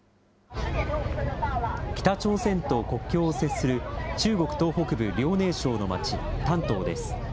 北朝鮮と国境を接する中国東北部、遼寧省のまち、丹東です。